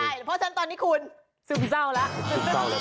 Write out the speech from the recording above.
เพราะฉะนั้นตอนนี้คุณซึมเศร้าแล้ว